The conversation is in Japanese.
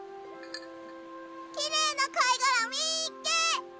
きれいなかいがらみっけ！